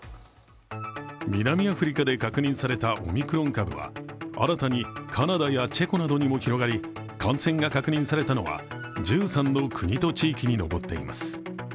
南アフリカで確認されたオミクロン株は新たにカナダやチェコなどにも広がり感染が確認されたのは１３の国と地域に広がっています。